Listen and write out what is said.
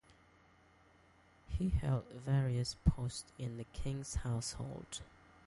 He held various posts in the king's household.